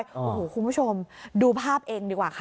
โอ้โหคุณผู้ชมดูภาพเองดีกว่าค่ะ